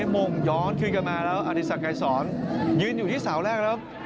โมงย้อนคืนกันมาแล้วอธิสักไกรสอนยืนอยู่ที่เสาแรกแล้ว